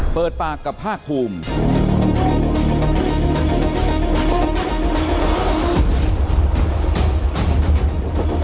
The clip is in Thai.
เปิดปากกับภาคภูมิ